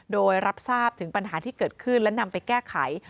โดยรับทราบถึงปัญหาที่เกิดขึ้นและนำไปแก้ไข